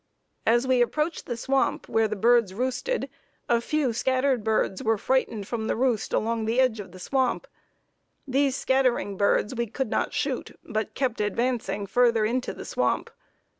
As we approached the swamp where the birds roosted, a few scattered birds were frightened from the roost along the edge of the swamp. These scattering birds we could not shoot, but kept advancing further into the swamp.